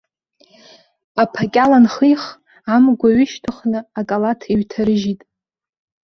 Аԥакьал анхих, амгәа ҩышьҭыхны акалаҭ иҩҭарыжьит.